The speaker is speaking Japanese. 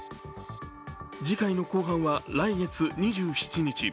次回の公判は来月２７日。